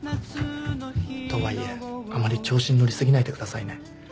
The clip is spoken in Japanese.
とはいえあまり調子に乗り過ぎないでくださいね。